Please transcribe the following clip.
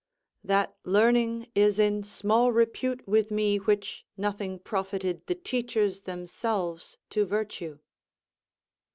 _ "That learning is in small repute with me which nothing profited the teachers themselves to virtue."